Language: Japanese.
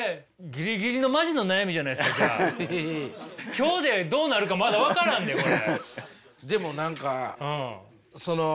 今日でどうなるかまだ分からんでこれ。